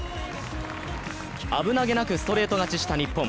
危なげなくストレート勝ちした日本。